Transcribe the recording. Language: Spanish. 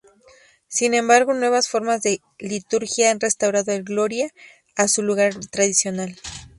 Sin embargo nuevas formas de liturgia han restaurado el Gloria a su lugar tradicional.